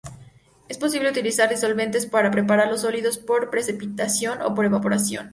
Es posible utilizar disolventes para preparar los sólidos por precipitación o por evaporación.